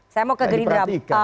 saya mau ke gerindra